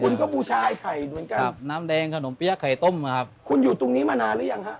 คุณก็บูชายไข่เหมือนกันครับน้ำแดงขนมเปี๊ยะไข่ต้มนะครับคุณอยู่ตรงนี้มานานหรือยังฮะ